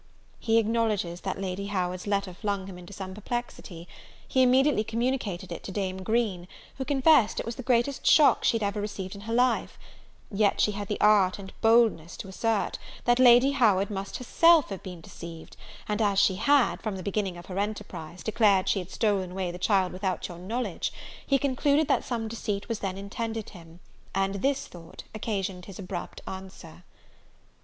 He acknowledges that Lady Howard's letter flung him into some perplexity: he immediately communicated it to Dame Green, who confessed it was the greatest shock she had ever received in her life; yet she had the art and boldness to assert, that Lady Howard must herself have been deceived: and as she had, from the beginning of her enterprise, declared she had stolen away the child without your knowledge, he concluded that some deceit was then intended him; and this thought occasioned his abrupt answer.